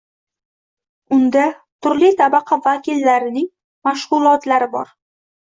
Unda turli tabaqa vakillarining mashg’ulotlari bor.